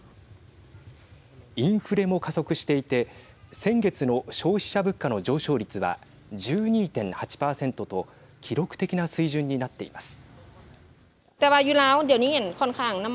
インフレも加速していて先月の消費者物価の上昇率は１２．８％と記録的な水準になっています。